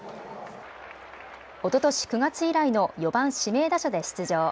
おととし９月以来の４番・指名打者で出場。